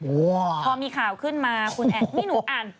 พอมีข่าวขึ้นมาคุณแอนนี่หนูอ่าน